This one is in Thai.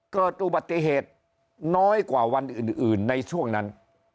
เกิดอุบัติเหตุน้อยกว่าวันอื่นในช่วงนั้น